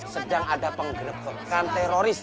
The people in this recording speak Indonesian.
sedang ada penggenepkan teroris